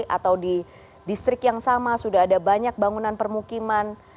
atau di distrik yang sama sudah ada banyak bangunan permukiman